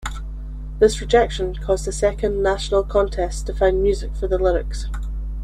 This rejection caused a second national contest to find music for the lyrics.